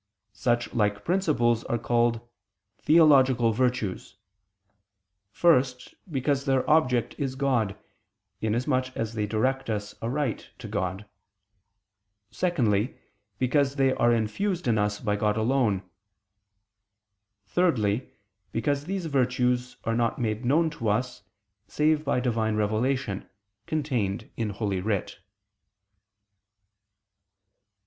Such like principles are called "theological virtues": first, because their object is God, inasmuch as they direct us aright to God: secondly, because they are infused in us by God alone: thirdly, because these virtues are not made known to us, save by Divine revelation, contained in Holy Writ.